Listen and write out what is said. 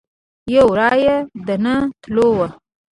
یو رایه د نه تلو وه.